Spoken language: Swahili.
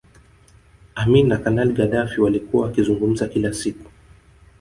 Amin na Kanali Gaddafi walikuwa wakizungumza kila siku